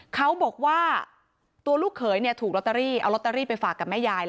เขาบอกว่าตัวลูกเขยถูกลอตเตอรี่เอาลอตเตอรี่ไปฝากกับแม่ยาย